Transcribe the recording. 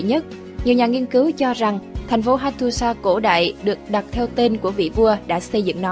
nhiều nhà nghiên cứu cho rằng thành phố hattusa cổ đại được đặt theo tên của vị vua đã xây dựng nó